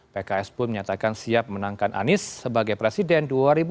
pks pun menyatakan siap menangkan anies sebagai presiden dua ribu dua puluh empat dua ribu dua puluh sembilan